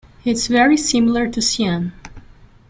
It is very similar to cyan.